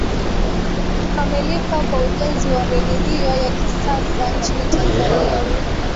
Kukamilika kwa ujenzi wa reli hiyo ya kisasa nchini Tanzania